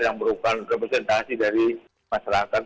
yang merupakan representasi dari masyarakat